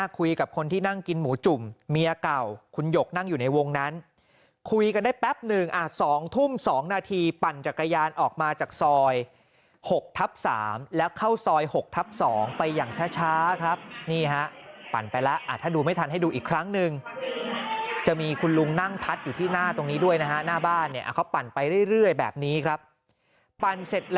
คุยกับคนที่นั่งกินหมูจุ่มเมียเก่าคุณหยกนั่งอยู่ในวงนั้นคุยกันได้แป๊บหนึ่ง๒ทุ่ม๒นาทีปั่นจักรยานออกมาจากซอย๖ทับ๓แล้วเข้าซอย๖ทับ๒ไปอย่างช้าครับนี่ฮะปั่นไปแล้วถ้าดูไม่ทันให้ดูอีกครั้งหนึ่งจะมีคุณลุงนั่งพัดอยู่ที่หน้าตรงนี้ด้วยนะฮะหน้าบ้านเนี่ยเขาปั่นไปเรื่อยแบบนี้ครับปั่นเสร็จ